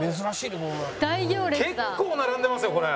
結構並んでますよこれ。